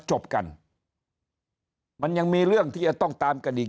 จบกันมันยังมีเรื่องที่จะต้องตามกันอีก